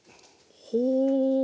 ほう。